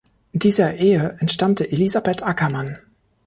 Dieser Ehe entstammte Elisabeth Ackermann.